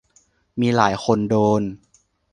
มีหลายคนโดน